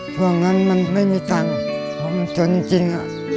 ช่วงนั้นมันไม่มีช่วงจนจริง